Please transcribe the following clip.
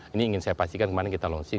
ini ingin saya pastikan kemarin kita launching